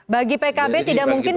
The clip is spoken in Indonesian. bagi pkb tidak mungkin